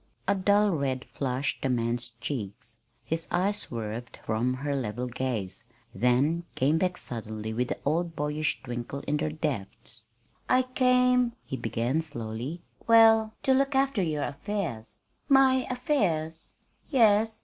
A dull red flushed the man's cheeks. His eyes swerved from her level gaze, then came back suddenly with the old boyish twinkle in their depths. "I came," he began slowly, "well, to look after your affairs." "My affairs!" "Yes.